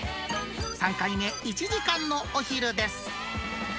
３回目、１時間のお昼です。